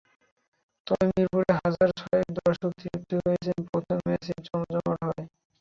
তবে মিরপুরের হাজার ছয়েক দর্শক তৃপ্ত হয়েছেন প্রথম ম্যাচটাই জমজমাট হওয়ায়।